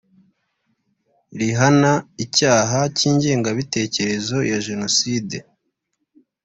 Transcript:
rihana icyaha cy ingengabitekerezo ya jenoside